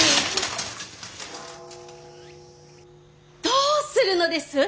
どうするのです。